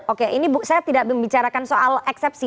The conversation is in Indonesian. oke ini saya tidak membicarakan soal eksepsi